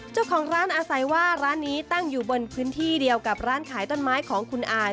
เจ้าของร้านอาศัยว่าร้านนี้ตั้งอยู่บนพื้นที่เดียวกับร้านขายต้นไม้ของคุณอาย